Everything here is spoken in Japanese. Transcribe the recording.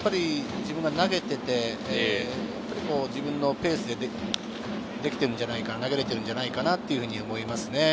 投げてて自分のペースでできてるんじゃないかな、投げれてるんじゃないかなっていうふうに思いますね。